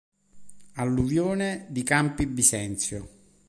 Alluvione di Campi Bisenzio